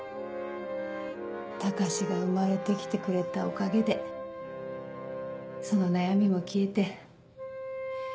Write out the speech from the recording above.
高志が生まれて来てくれたおかげでその悩みも消えて。